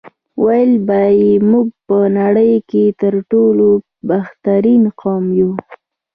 ویل به یې موږ په نړۍ کې تر ټولو بهترین قوم یو.